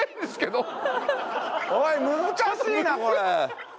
おい難しいなこれ！